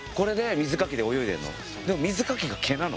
水かきが毛なの？